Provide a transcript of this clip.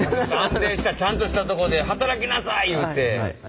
安定したちゃんとしたところで働きなさい言うて。